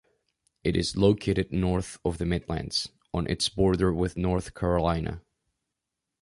It is located north of the Midlands, on its border with North Carolina.